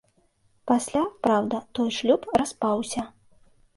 Пасля, праўда, той шлюб распаўся.